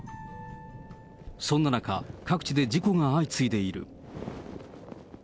そんな中、各地で事故が相次いでいる。